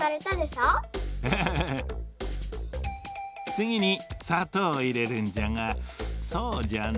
つぎにさとうをいれるんじゃがそうじゃな